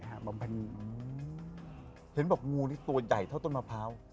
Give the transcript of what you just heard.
เห็นบอกงูนี่ตัวใหญ่เท่าต้นมะพร้าว